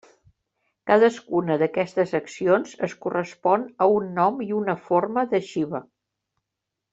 Cadascuna d'aquestes accions es correspon a un nom i una forma de Xiva.